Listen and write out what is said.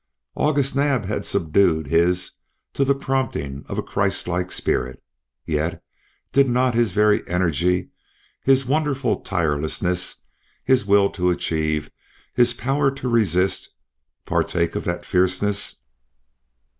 August Naab had subdued his to the promptings of a Christ like spirit; yet did not his very energy, his wonderful tirelessness, his will to achieve, his power to resist, partake of that fierceness?